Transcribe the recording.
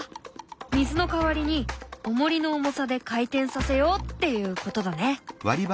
水の代わりにおもりの重さで回転させようっていうことだね。